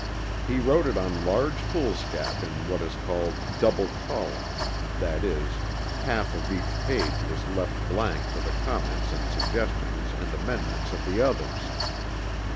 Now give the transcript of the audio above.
He wrote it on large foolscap in what is called double columns, i. e. half of each page was left blank for the comments and suggestions and amendments of the others.